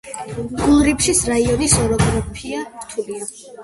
გულრიფშის რაიონის ოროგრაფია რთულია.